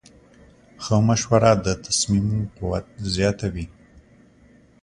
ښه مشوره د تصمیم قوت زیاتوي.